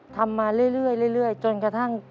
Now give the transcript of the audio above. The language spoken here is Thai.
ทำมาเรื่อยจนกระทั่ง